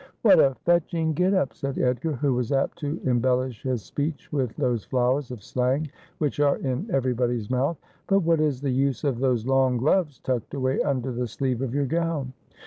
' What a fetching get up,' said Edgar, who was apt to embel lish his speech with those flowers of slang which are in every body's mouth ;' but what is the use of those long gloves tucked away under the sleeve of your gown